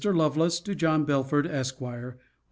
LOVELACE, TO JOHN BELFORD, ESQ. WEDN.